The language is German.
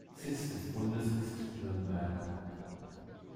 Sitz des Bundes ist Nürnberg.